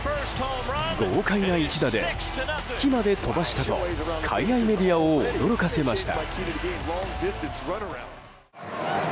豪快な一打で月まで飛ばしたと海外メディアを驚かせました。